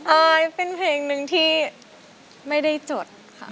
อายเป็นเพลงหนึ่งที่ไม่ได้จดค่ะ